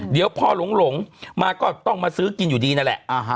เดี๋ยวพอหลงมาก็ต้องมาซื้อกินอยู่ดีนั่นแหละ